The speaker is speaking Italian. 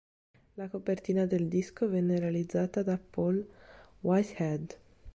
La copertina del disco venne realizzata da Paul Whitehead.